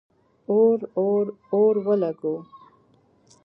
اور، اور، اور ولګوو